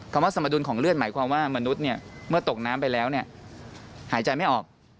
คำว่าสมดุลของเลือดหมายความว่ามนุษย์เมื่อตกน้ำไปแล้วหายใจไม่ออก